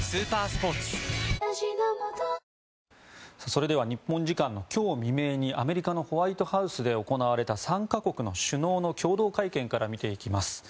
それでは日本時間の今日未明にアメリカのホワイトハウスで行われた３か国の首脳の共同会見から見ていきます。